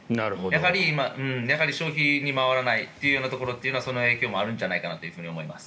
やはり消費に回らないというところはその影響もあるんじゃないかなと思います。